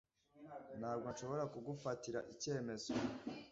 Ntabwo nshobora kugufatira icyemezo.